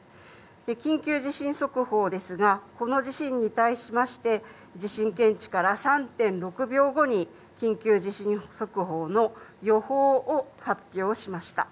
緊急地震速報ですが、この地震に対しまして、地震検知から３．６秒後に、緊急地震速報の予報を発表しました。